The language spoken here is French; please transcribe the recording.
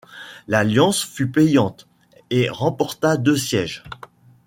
L'alliance fut payante, et remporta deux sièges.